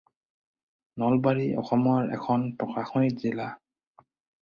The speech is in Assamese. নলবাৰী অসমৰ এখন প্ৰশাসনিক জিলা।